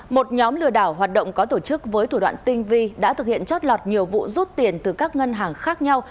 một nhóm lừa đảo hoạt động có tổ chức với thủ đoạn tinh vi đã thực hiện chót lọt nhiều vụ rút tiền từ các ngân hàng khác nhau